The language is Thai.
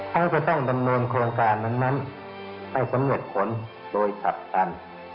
เขาจะต้องดำเนินโครงการนั้นให้สำเร็จผลโดยผลักดัน